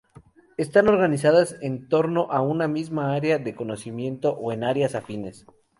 Están organizadas en torno a una misma área de conocimiento o en áreas afines.